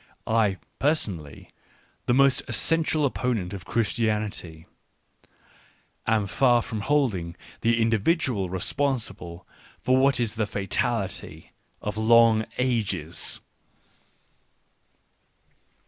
I, personally, the most essential opponent of Christianity, am far from holding the individ ual responsible for what is the fatality of long ages.